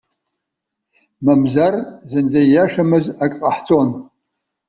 Мамзар, зынӡа ииашамыз акы ҟаҳҵон.